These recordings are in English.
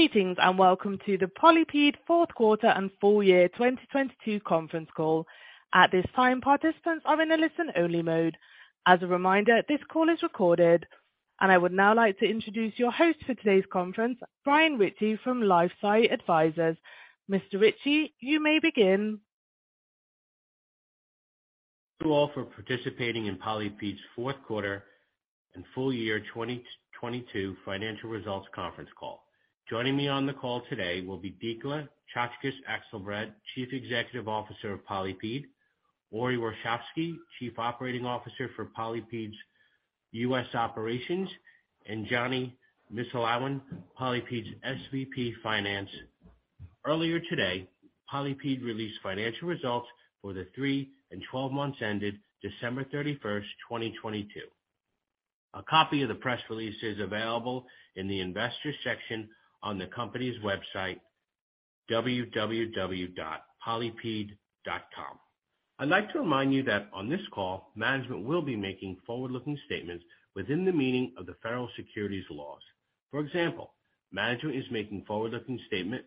Greetings, welcome to the PolyPid fourth quarter and full year 2022 conference call. At this time, participants are in a listen-only mode. As a reminder, this call is recorded. I would now like to introduce your host for today's conference, Brian Ritchie from LifeSci Advisors. Mr. Ritchie, you may begin. Thank you all for participating in PolyPid's fourth quarter and full year 2022 financial results conference call. Joining me on the call today will be Dikla Czaczkes Akselbrad, Chief Executive Officer of PolyPid, Ori Warshavsky, Chief Operating Officer for PolyPid's U.S. operations, and Jonny Missulawin, PolyPid's SVP Finance. Earlier today, PolyPid released financial results for the three and 12 months ended December 31, 2022. A copy of the press release is available in the investor section on the company's website, www.polypid.com. I'd like to remind you that on this call, management will be making forward-looking statements within the meaning of the federal securities laws. For example, management is making forward-looking statement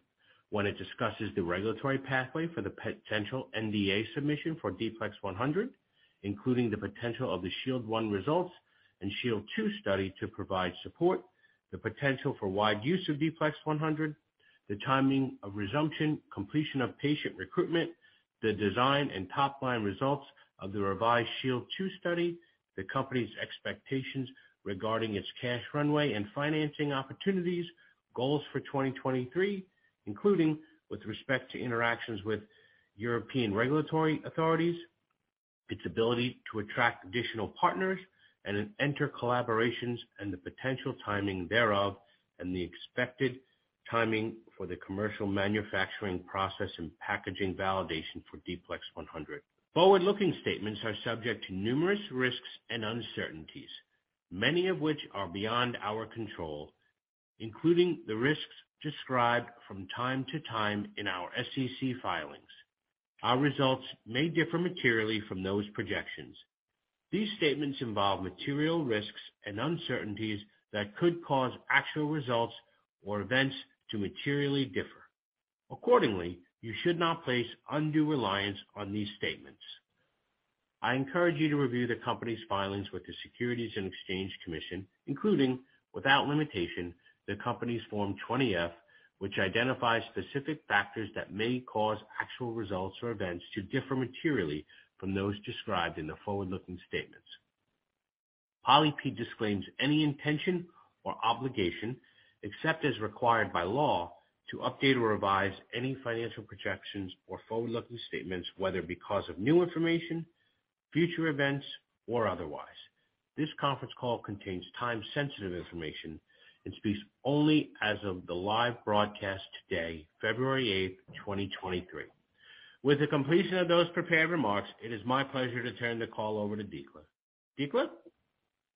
when it discusses the regulatory pathway for the potential NDA submission for D-PLEX100, including the potential of the SHIELD I results and SHIELD II study to provide support, the potential for wide use of D-PLEX100, the timing of resumption, completion of patient recruitment, the design and top-line results of the revised SHIELD II study, the company's expectations regarding its cash runway and financing opportunities, goals for 2023, including with respect to interactions with European regulatory authorities, its ability to attract additional partners and then enter collaborations and the potential timing thereof, and the expected timing for the commercial manufacturing process and packaging validation for D-PLEX100. Forward-looking statements are subject to numerous risks and uncertainties, many of which are beyond our control, including the risks described from time to time in our SEC filings. Our results may differ materially from those projections. These statements involve material risks and uncertainties that could cause actual results or events to materially differ. Accordingly, you should not place undue reliance on these statements. I encourage you to review the company's filings with the Securities and Exchange Commission, including, without limitation, the company's Form 20-F, which identifies specific factors that may cause actual results or events to differ materially from those described in the forward-looking statements. PolyPid disclaims any intention or obligation, except as required by law, to update or revise any financial projections or forward-looking statements, whether because of new information, future events or otherwise. This conference call contains time-sensitive information and speaks only as of the live broadcast today, February 8, 2023. With the completion of those prepared remarks, it is my pleasure to turn the call over to Dikla. Dikla?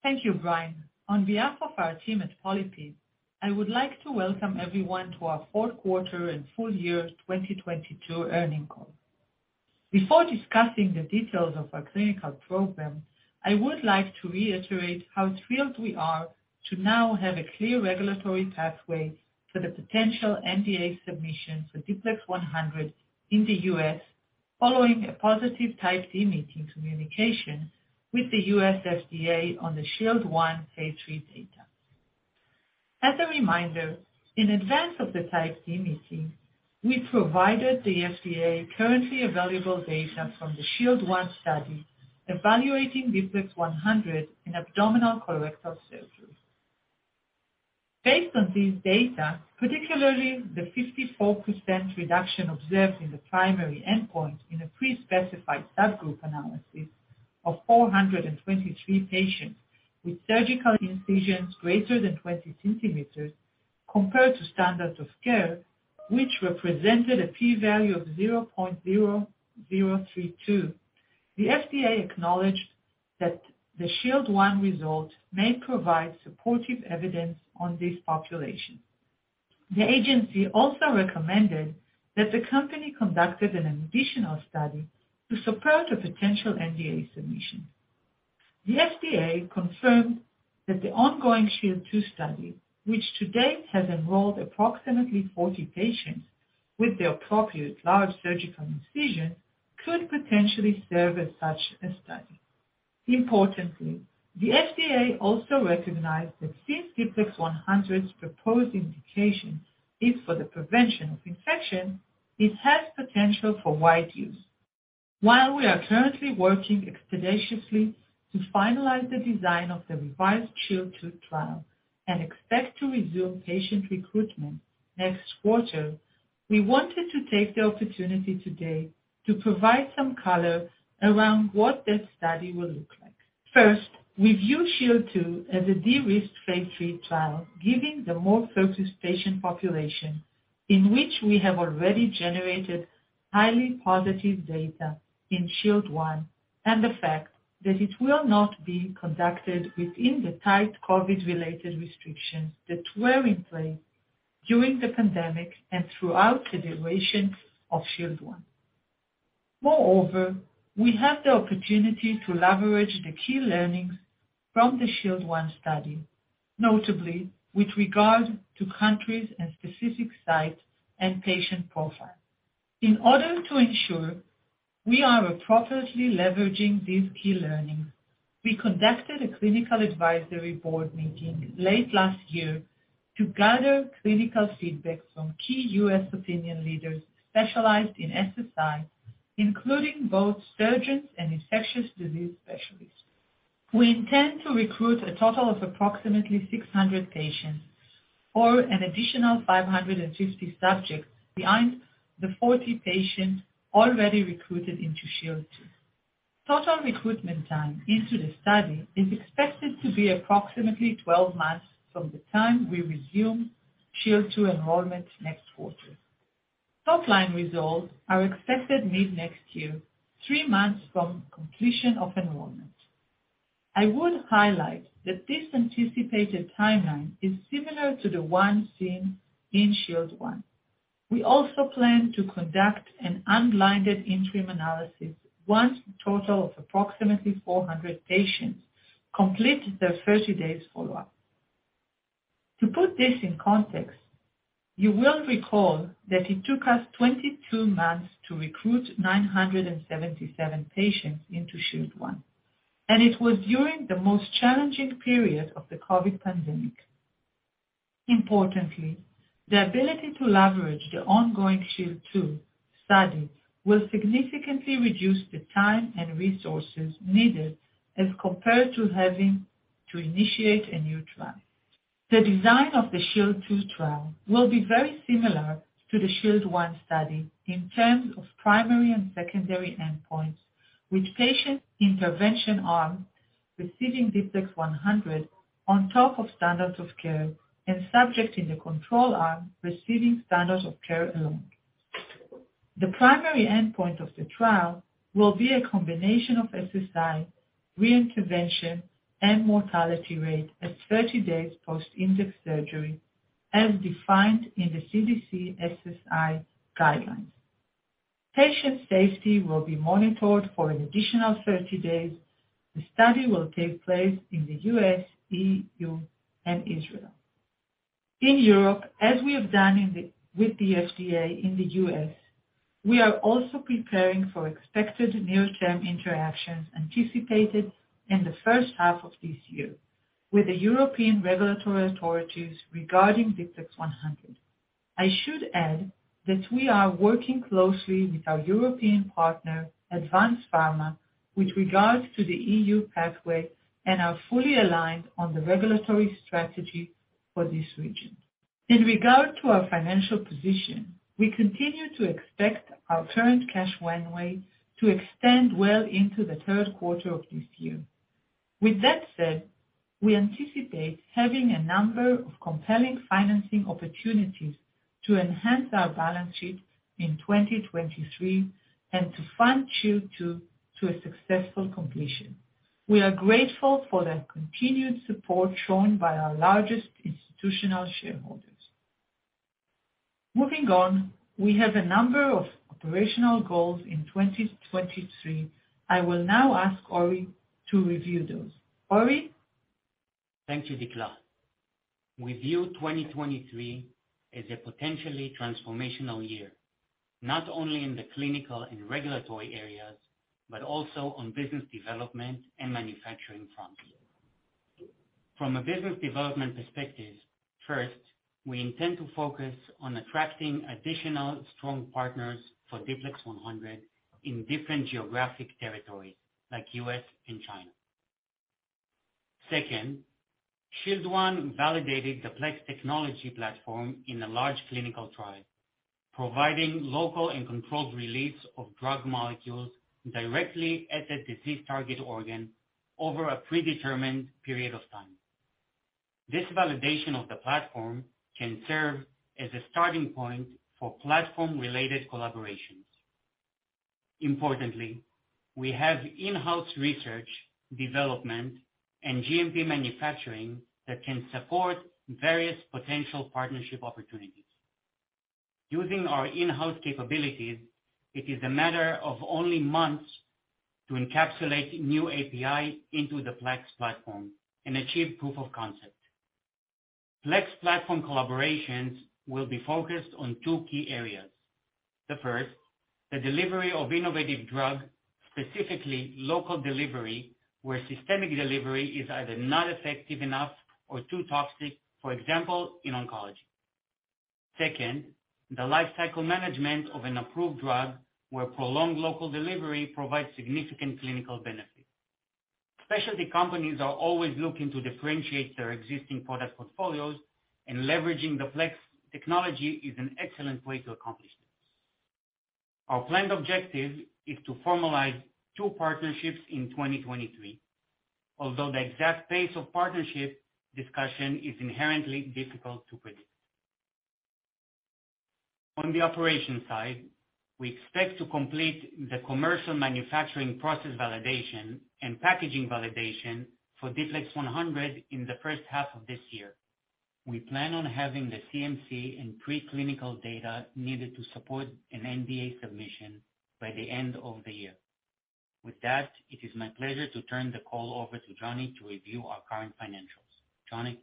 Thank you, Brian. On behalf of our team at PolyPid, I would like to welcome everyone to our fourth quarter and full year 2022 earnings call. Before discussing the details of our clinical program, I would like to reiterate how thrilled we are to now have a clear regulatory pathway for the potential NDA submission for D-PLEX100 in the U.S. following a positive Type D meeting communication with the U.S. FDA on the SHIELD I Phase III data. As a reminder, in advance of the Type D meeting, we provided the FDA currently available data from the SHIELD I study evaluating D-PLEX100 in abdominal colorectal surgery. Based on these data, particularly the 54% reduction observed in the primary endpoint in a pre-specified subgroup analysis of 423 patients with surgical incisions greater than 20 cm compared to standard of care, which represented a P value of 0.0032, the FDA acknowledged that the SHIELD I result may provide supportive evidence on this population. The agency also recommended that the company conducted an additional study to support a potential NDA submission. The FDA confirmed that the ongoing SHIELD II study, which to date has enrolled approximately 40 patients with the appropriate large surgical incision, could potentially serve as such a study. Importantly, the FDA also recognized that since D-PLEX100's proposed indication is for the prevention of infection, it has potential for wide use. While we are currently working expeditiously to finalize the design of the revised SHIELD II trial and expect to resume patient recruitment next quarter, we wanted to take the opportunity today to provide some color around what that study will look like. First, we view SHIELD II as a de-risked Phase III trial, giving the more focused patient population in which we have already generated highly positive data in SHIELD I and the fact that it will not be conducted within the tight COVID-related restrictions that were in play during the pandemic and throughout the duration of SHIELD I. Moreover, we have the opportunity to leverage the key learnings from the SHIELD I study, notably with regard to countries and specific sites and patient profile. In order to ensure we are appropriately leveraging these key learnings, we conducted a clinical advisory board meeting late last year to gather clinical feedback from key U.S. opinion leaders specialized in SSI, including both surgeons and infectious disease specialists. We intend to recruit a total of approximately 600 patients or an additional 550 subjects behind the 40 patients already recruited into SHIELD II. Total recruitment time into the study is expected to be approximately 12 months from the time we resume SHIELD II enrollment next quarter. Topline results are expected mid-next year, three months from completion of enrollment. I would highlight that this anticipated timeline is similar to the one seen in SHIELD I. We also plan to conduct an unblinded interim analysis once a total of approximately 400 patients complete their 30 days follow-up. To put this in context, you will recall that it took us 22 months to recruit 977 patients into SHIELD I, and it was during the most challenging period of the COVID pandemic. Importantly, the ability to leverage the ongoing SHIELD II study will significantly reduce the time and resources needed as compared to having to initiate a new trial. The design of the SHIELD II trial will be very similar to the SHIELD I study in terms of primary and secondary endpoints, with patient intervention arm receiving D-PLEX100 on top of standards of care and subject in the control arm receiving standards of care alone. The primary endpoint of the trial will be a combination of SSI re-intervention and mortality rate at 30 days post index surgery as defined in the CDC SSI guidelines. Patient safety will be monitored for an additional 30 days. The study will take place in the U.S., EU, and Israel. In Europe, as we have done with the FDA in the U.S., we are also preparing for expected near-term interactions anticipated in the first half of this year with the European regulatory authorities regarding D-PLEX100. I should add that we are working closely with our European partner, ADVANZ PHARMA, with regards to the EU pathway and are fully aligned on the regulatory strategy for this region. In regard to our financial position, we continue to expect our current cash runway to extend well into the third quarter of this year. With that said, we anticipate having a number of compelling financing opportunities to enhance our balance sheet in 2023 and to fund SHIELD II to a successful completion. We are grateful for the continued support shown by our largest institutional shareholders. Moving on, we have a number of operational goals in 2023. I will now ask Ori to review those. Ori. Thank you, Dikla. We view 2023 as a potentially transformational year, not only in the clinical and regulatory areas, but also on business development and manufacturing fronts. From a business development perspective, first, we intend to focus on attracting additional strong partners for D-PLEX100 in different geographic territories like U.S. and China. Second, SHIELD I validated the PLEX technology platform in a large clinical trial, providing local and controlled release of drug molecules directly at the disease target organ over a predetermined period of time. This validation of the platform can serve as a starting point for platform-related collaborations. Importantly, we have in-house research, development, and GMP manufacturing that can support various potential partnership opportunities. Using our in-house capabilities, it is a matter of only months to encapsulate new API into the PLEX platform and achieve proof of concept. PLEX platform collaborations will be focused on two key areas. The first, the delivery of innovative drug, specifically local delivery, where systemic delivery is either not effective enough or too toxic, for example, in oncology. Second, the lifecycle management of an approved drug where prolonged local delivery provides significant clinical benefit. Specialty companies are always looking to differentiate their existing product portfolios, and leveraging the PLEX technology is an excellent way to accomplish this. Our planned objective is to formalize two partnerships in 2023, although the exact pace of partnership discussion is inherently difficult to predict. On the operation side, we expect to complete the commercial manufacturing process validation and packaging validation for D-PLEX100 in the first half of this year. We plan on having the CMC and preclinical data needed to support an NDA submission by the end of the year. With that, it is my pleasure to turn the call over to Johnny to review our current financials. Johnny.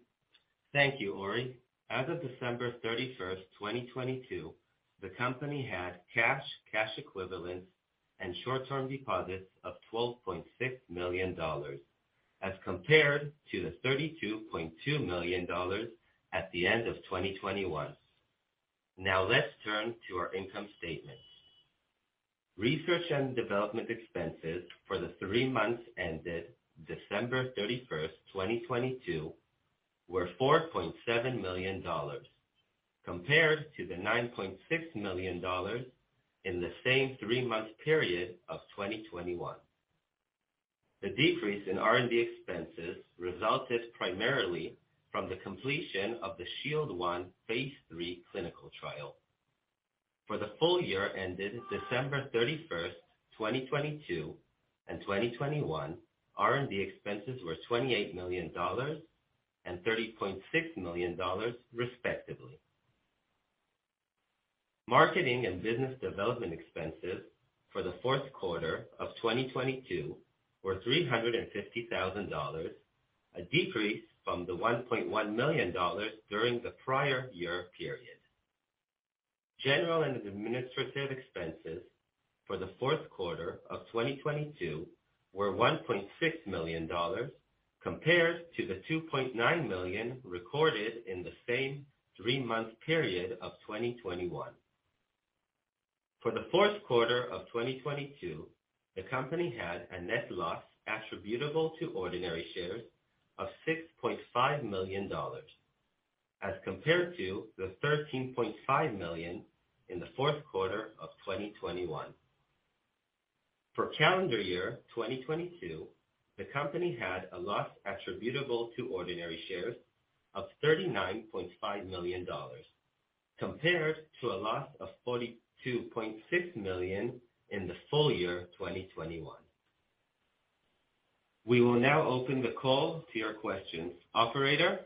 Thank you, Ori. As of December 31, 2022, the company had cash equivalents and short-term deposits of $12.6 million, as compared to the $32.2 million at the end of 2021. Now let's turn to our income statement. Research and development expenses for the three months ended December 31, 2022 were $4.7 million, compared to the $9.6 million in the same three-month period of 2021. The decrease in R&D expenses resulted primarily from the completion of the SHIELD I Phase III clinical trial. For the full year ended December 31, 2022 and 2021, R&D expenses were $28 million and $30.6 million, respectively. Marketing and business development expenses for the fourth quarter of 2022 were $350,000, a decrease from the $1.1 million during the prior year period. General and administrative expenses for the fourth quarter of 2022 were $1.6 million, compared to the $2.9 million recorded in the same three-month period of 2021. For the fourth quarter of 2022, the company had a net loss attributable to ordinary shares of $6.5 million, as compared to the $13.5 million in the fourth quarter of 2021. For calendar year 2022, the company had a loss attributable to ordinary shares of $39.5 million, compared to a loss of $42.6 million in the full year of 2021. We will now open the call to your questions. Operator.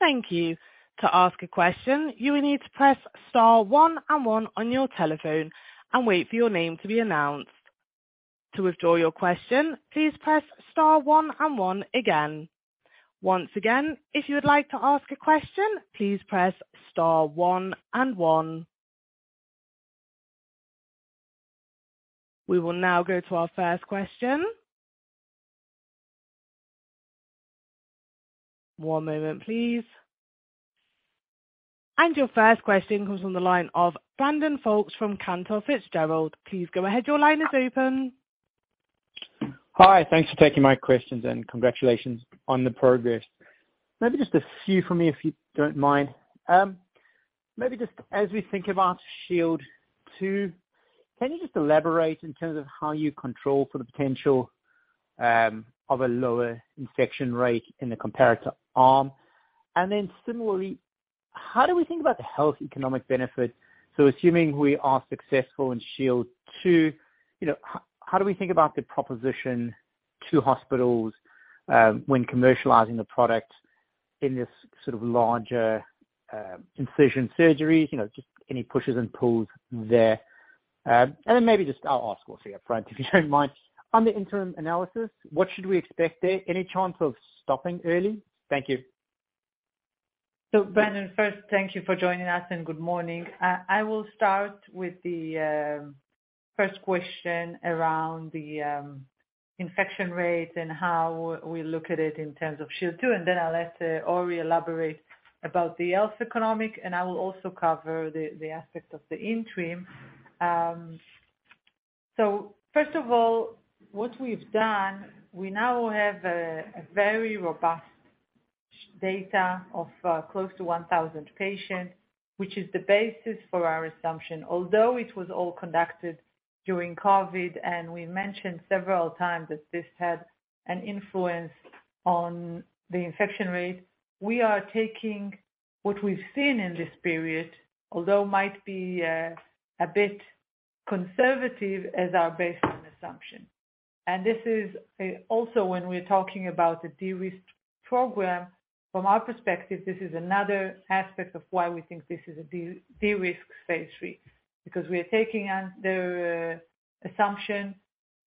Thank you. To ask a question, you will need to press star one and one on your telephone and wait for your name to be announced. To withdraw your question, please press star one and one again. Once again, if you would like to ask a question, please press star one and one. We will now go to our first question. One moment, please. Your first question comes from the line of Brandon Folkes from Cantor Fitzgerald. Please go ahead. Your line is open. Hi. Thanks for taking my questions and congratulations on the progress. Maybe just a few from me, if you don't mind. Maybe just as we think about SHIELD II, can you just elaborate in terms of how you control for the potential of a lower infection rate in the comparator arm? Similarly, how do we think about the health economic benefit? Assuming we are successful in SHIELD II, you know, how do we think about the proposition to hospitals when commercializing the product in this sort of larger incision surgeries? You know, just any pushes and pulls there. Maybe just I'll ask also, yeah, Fran, if you don't mind. On the interim analysis, what should we expect there? Any chance of stopping early? Thank you. Brandon, first thank you for joining us and good morning. I will start with the first question around the infection rate and how we look at it in terms of SHIELD II, and then I'll let Ori elaborate about the health economic, and I will also cover the aspect of the interim. First of all, what we've done, we now have a very robust data of close to 1,000 patients, which is the basis for our assumption. Although it was all conducted during COVID, and we mentioned several times that this had an influence on the infection rate, we are taking what we've seen in this period, although might be a bit conservative as our baseline assumption. This is also when we're talking about the de-risk program, from our perspective, this is another aspect of why we think this is a de-risk Phase III, because we are taking on the assumption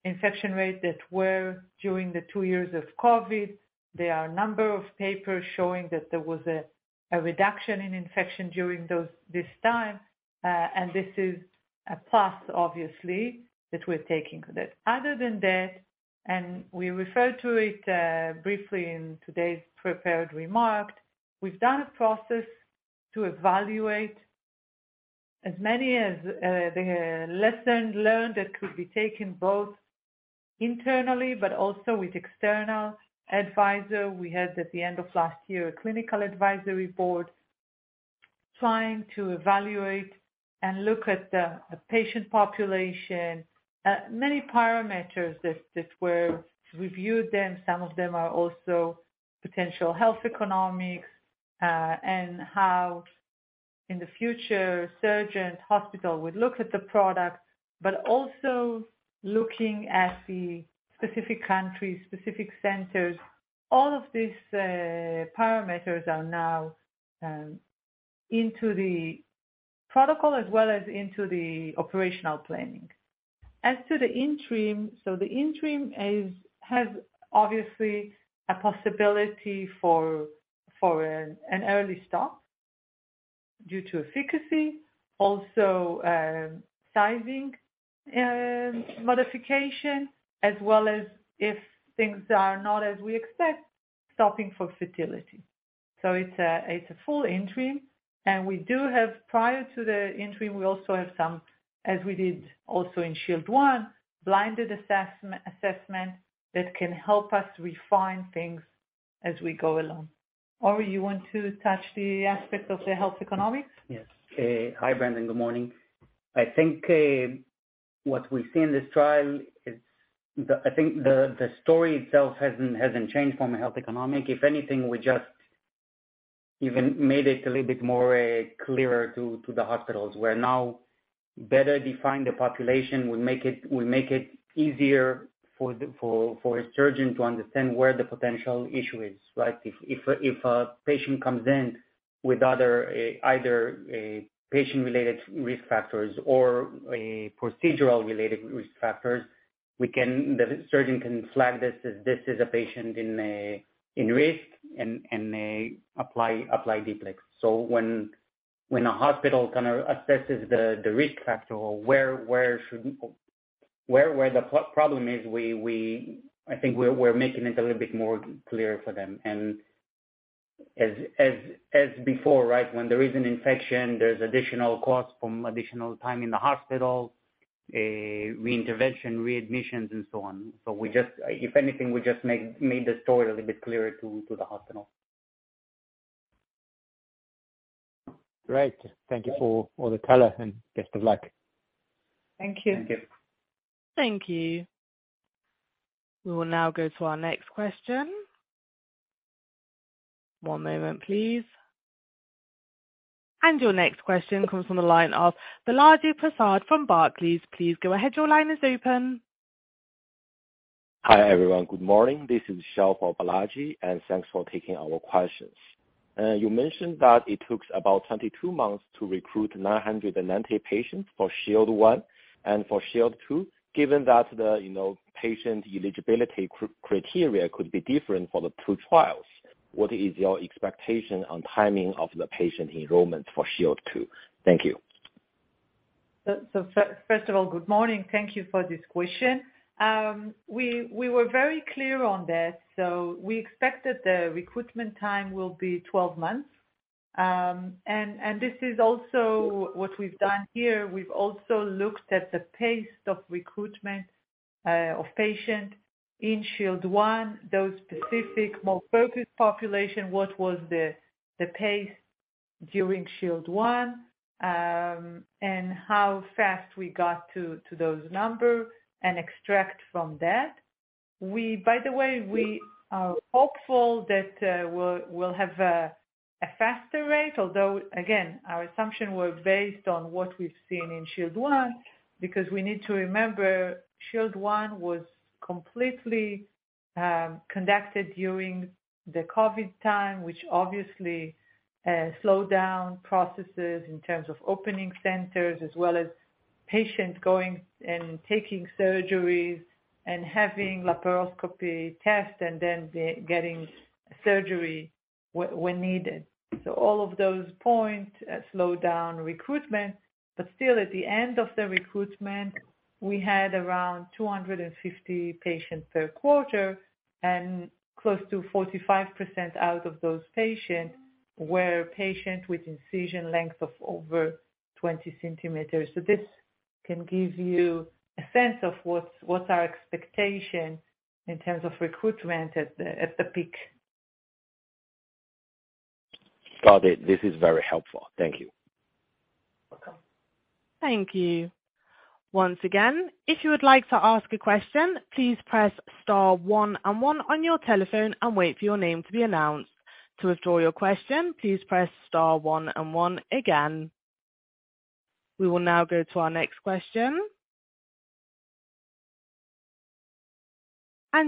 infection rate that were during the two years of COVID. There are a number of papers showing that there was a reduction in infection during this time, and this is a plus obviously that we're taking with it. Other than that, and we referred to it briefly in today's prepared remarks, we've done a process to evaluate as many as the lesson learned that could be taken both internally but also with external advisor. We had, at the end of last year, a clinical advisory board trying to evaluate and look at the patient population, many parameters that were reviewed, and some of them are also potential health economics, and how-In the future, surgeon, hospital would look at the product, but also looking at the specific country, specific centers. All of these parameters are now into the protocol as well as into the operational planning. As to the interim. The interim is, has obviously a possibility for an early start due to efficacy, also sizing modification as well as if things are not as we expect, stopping for futility. It's a, it's a full interim and we do have prior to the interim we also have some, as we did also in SHIELD I, blinded assessment that can help us refine things as we go along. Ori, you want to touch the aspect of the health economics? Yes. Hey. Hi, Brandon. Good morning. I think what we see in this trial is the story itself hasn't changed from a health economic. If anything, we just even made it a little bit more clearer to the hospitals. We're now better defined the population. We make it easier for the surgeon to understand where the potential issue is, right? If a patient comes in with other, either patient-related risk factors or a procedural-related risk factors, the surgeon can flag this as this is a patient in risk and apply D-PLEX. When a hospital kind of assesses the risk factor or where the problem is, I think we're making it a little bit more clear for them. As before, right? When there is an infection, there's additional costs from additional time in the hospital, reintervention, readmissions and so on. We just. If anything, we just made the story a little bit clearer to the hospital. Great. Thank you for all the color and best of luck. Thank you. Thank you. Thank you. We will now go to our next question. One moment please. Your next question comes from the line of Balaji Prasad from Barclays. Please go ahead. Your line is open. Hi, everyone. Good morning. This is Shaw from Balaji. Thanks for taking our questions. You mentioned that it took about 22 months to recruit 990 patients for SHIELD I and for SHIELD II. Given that the, you know, patient eligibility criteria could be different for the two trials, what is your expectation on timing of the patient enrollment for SHIELD II? Thank you. First of all, good morning. Thank you for this question. We were very clear on that. We expected the recruitment time will be 12 months. This is also what we've done here. We've also looked at the pace of recruitment of patient in SHIELD I, those specific more focused population, what was the pace during SHIELD I, and how fast we got to those numbers and extract from that. We, by the way, we are hopeful that we'll have a faster rate, although again, our assumption were based on what we've seen in SHIELD I, because we need to remember, SHIELD I was completely conducted during the COVID time, which obviously slowed down processes in terms of opening centers as well as patients going and taking surgeries and having laparoscopy tests and then getting surgery when needed. All of those points slowed down recruitment, but still at the end of the recruitment, we had around 250 patients per quarter, and close to 45% out of those patients were patients with incision length of over 20 cm. This can give you a sense of what's our expectation in terms of recruitment at the peak. Got it. This is very helpful. Thank you. Welcome. Thank you. Once again, if you would like to ask a question, please press star one and one on your telephone and wait for your name to be announced. To withdraw your question, please press star one and one again. We will now go to our next question.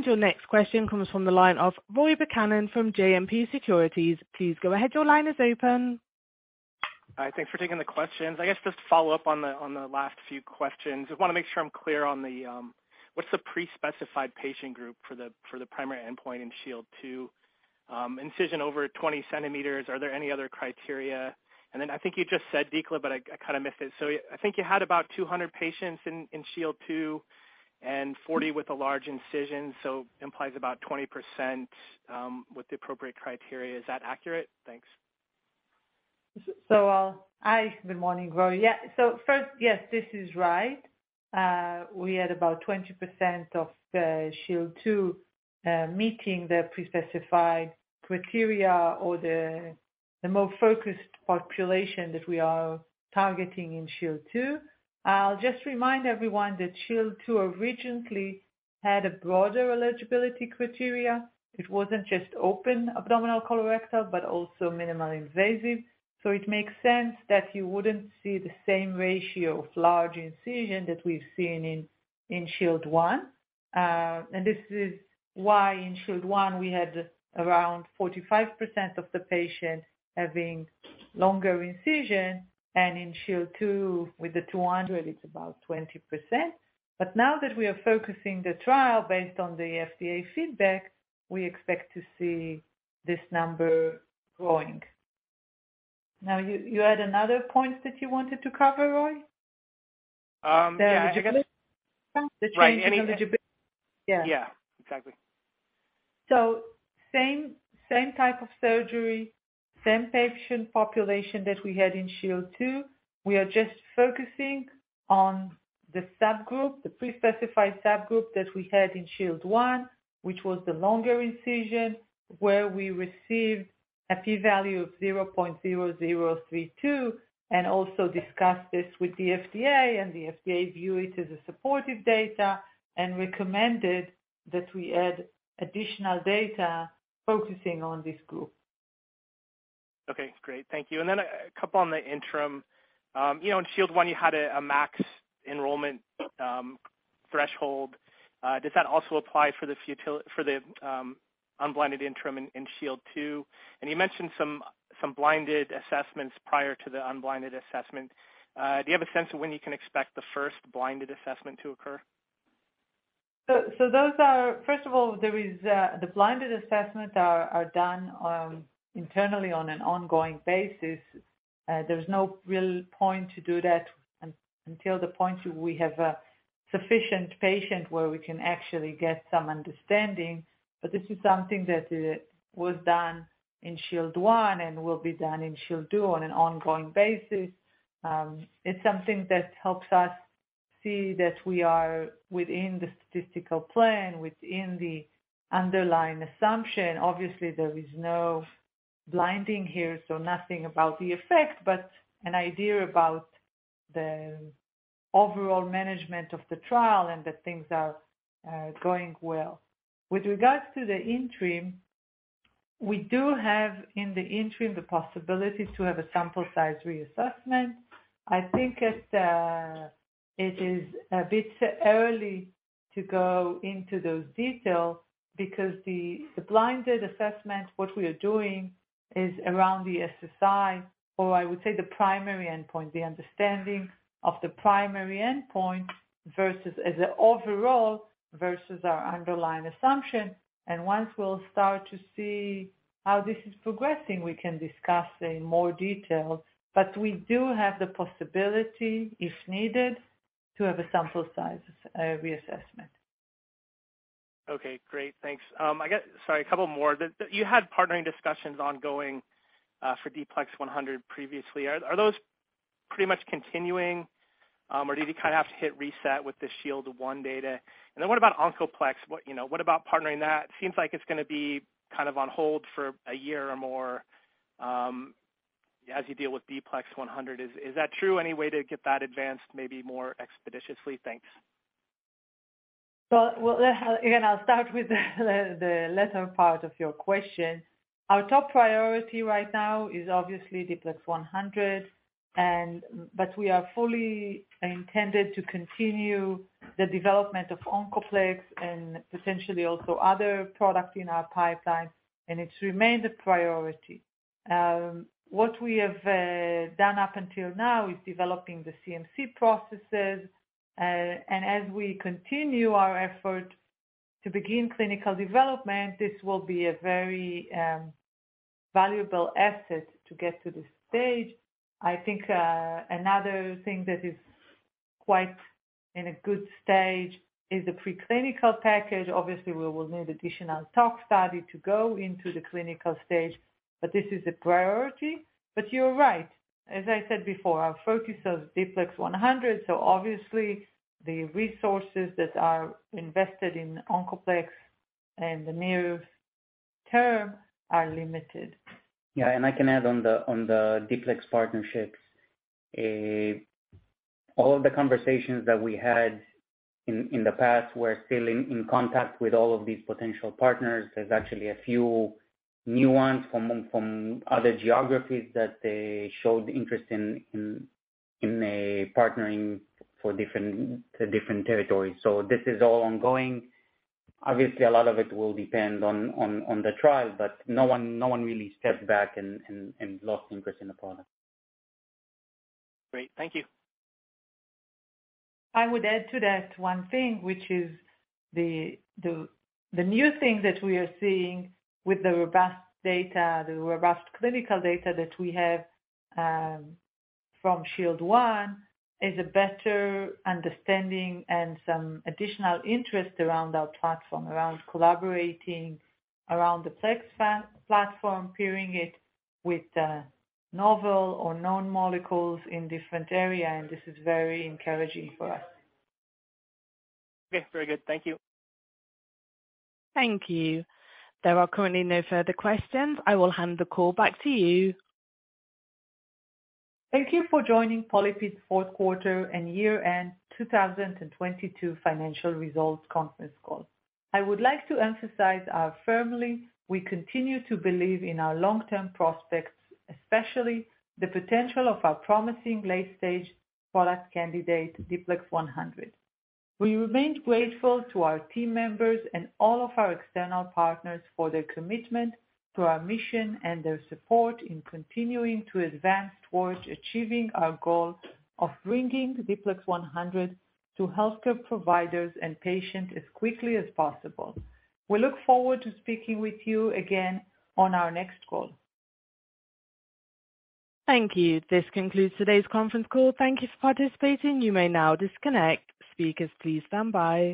Your next question comes from the line of Roy Buchanan from JMP Securities. Please go ahead. Your line is open. Hi. Thanks for taking the questions. I guess just to follow up on the, on the last few questions. I wanna make sure I'm clear on the, what's the pre-specified patient group for the, for the primary endpoint in SHIELD II? Incision over 20 cm. Are there any other criteria? I think you just said, Dikla, but I kinda missed it. I think you had about 200 patients in SHIELD II and 40 with a large incision, implies about 20% with the appropriate criteria. Is that accurate? Thanks. Hi, good morning, Roy. Yeah. First, yes, this is right. We had about 20% of the SHIELD II meeting the pre-specified criteria or the more focused population that we are targeting in SHIELD II. I'll just remind everyone that SHIELD II originally had a broader eligibility criteria. It wasn't just open abdominal colorectal, but also minimally invasive. It makes sense that you wouldn't see the same ratio of large incision that we've seen in SHIELD I. This is why in SHIELD I, we had around 45% of the patients having longer incision, and in SHIELD II, with the 200, it's about 20%. Now that we are focusing the trial based on the FDA feedback, we expect to see this number growing. You had another point that you wanted to cover, Roy? Yeah. The eligibility. Right. The change in eligibility. Yeah. Yeah. Exactly. Same type of surgery, same patient population that we had in SHIELD II. We are just focusing on the subgroup, the pre-specified subgroup that we had in SHIELD I, which was the longer incision, where we received a P value of 0.0032, and also discussed this with the FDA, and the FDA view it as a supportive data and recommended that we add additional data focusing on this group. Okay, great. Thank you. Then a couple on the interim. you know, in SHIELD I, you had a max enrollment, threshold. Does that also apply for the unblinded interim in SHIELD II? You mentioned some blinded assessments prior to the unblinded assessment. Do you have a sense of when you can expect the first blinded assessment to occur? Those are. First of all, there is, the blinded assessments are done internally on an ongoing basis. There's no real point to do that until the point we have a sufficient patient where we can actually get some understanding. This is something that was done in SHIELD I and will be done in SHIELD II on an ongoing basis. It's something that helps us see that we are within the statistical plan, within the underlying assumption. Obviously, there is no blinding here, so nothing about the effect, but an idea about the overall management of the trial and that things are going well. With regards to the interim, we do have, in the interim, the possibility to have a sample size reassessment. I think it is a bit early to go into those details because the blinded assessment, what we are doing is around the SSI or I would say the primary endpoint, the understanding of the primary endpoint versus as an overall, versus our underlying assumption. Once we'll start to see how this is progressing, we can discuss in more detail. We do have the possibility, if needed, to have a sample size reassessment. Okay, great. Thanks. Sorry, a couple more. You had partnering discussions ongoing for D-PLEX100 previously. Are those pretty much continuing, or did you kind of have to hit reset with the SHIELD I data? What about OncoPLEX? What, you know, what about partnering that? It seems like it's gonna be kind of on hold for a year or more, as you deal with D-PLEX100. Is that true? Any way to get that advanced maybe more expeditiously? Thanks. Well, again, I'll start with the latter part of your question. Our top priority right now is obviously D-PLEX100, but we are fully intended to continue the development of OncoPLEX and potentially also other products in our pipeline, and it remains a priority. What we have done up until now is developing the CMC processes. As we continue our effort to begin clinical development, this will be a very valuable asset to get to this stage. I think another thing that is quite in a good stage is the preclinical package. Obviously, we will need additional tox study to go into the clinical stage, but this is a priority. You're right. As I said before, our focus is D-PLEX100, so obviously the resources that are invested in OncoPLEX in the near term are limited. Yeah. I can add on the D-PLEX partnerships. All of the conversations that we had in the past, we're still in contact with all of these potential partners. There's actually a few new ones from other geographies that they showed interest in a partnering for different territories. This is all ongoing. Obviously, a lot of it will depend on the trial, but no one really stepped back and lost interest in the product. Great. Thank you. I would add to that one thing, which is the new thing that we are seeing with the robust data, the robust clinical data that we have, from SHIELD I, is a better understanding and some additional interest around our platform, around collaborating around the PLEX platform, pairing it with novel or known molecules in different area. This is very encouraging for us. Okay. Very good. Thank you. Thank you. There are currently no further questions. I will hand the call back to you. Thank you for joining PolyPid's fourth quarter and year-end 2022 financial results conference call. I would like to emphasize firmly, we continue to believe in our long-term prospects, especially the potential of our promising late-stage product candidate, D-PLEX100. We remain grateful to our team members and all of our external partners for their commitment to our mission and their support in continuing to advance towards achieving our goal of bringing D-PLEX100 to healthcare providers and patients as quickly as possible. We look forward to speaking with you again on our next call. Thank you. This concludes today's conference call. Thank you for participating. You may now disconnect. Speakers, please stand by.